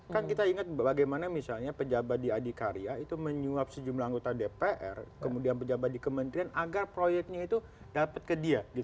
kan kita ingat bagaimana misalnya pejabat di adikarya itu menyuap sejumlah anggota dpr kemudian pejabat di kementerian agar proyeknya itu dapat ke dia